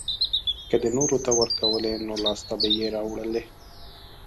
که ده نورو ته ورکولی نو لاسته به يې راوړلی.